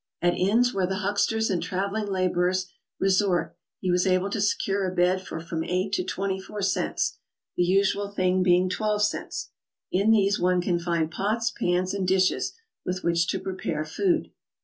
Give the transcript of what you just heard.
At inns where the hucksters and traveling laborers resort he was able to secure a bed for f'*om 8 to 24 cents, the usual thing being 12 cents. In these one can find pots, pans and dishes, with which to prepare food.